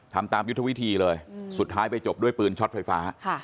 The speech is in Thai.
ทำตามยุทธวิธีเลยสุดท้ายไปจบด้วยปืนช็อตไฟฟ้า